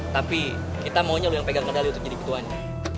tapi kita maunya udah yang pegang kendali untuk jadi ketuanya